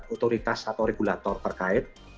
otoritas atau regulator terkait